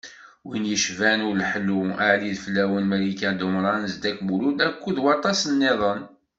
Wid yecban Uleḥlu, Ali Ideflawen, Malika Dumran, Zeddek Lmulud akked waṭas-nniḍen.